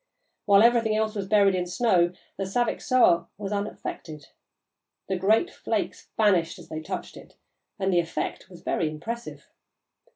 While everything else was buried in snow, the Saviksoah was unaffected. The great flakes vanished as they touched it, and the effect was very impressive.